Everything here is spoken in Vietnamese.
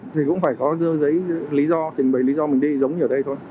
thì cũng phải có dơ giấy lý do trình bày lý do mình đi giống như ở đây thôi